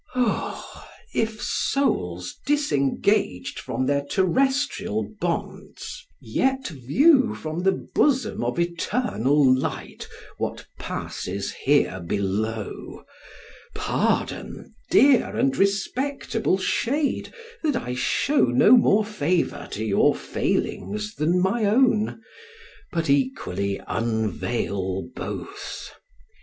O! if souls disengaged from their terrestrial bonds, yet view from the bosom of eternal light what passes here below, pardon, dear and respectable shade, that I show no more favor to your failings than my own, but equally unveil both.